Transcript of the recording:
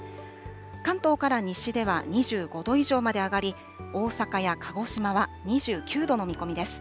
関東から西では２５度以上まで上がり、大阪や鹿児島は２９度の見込みです。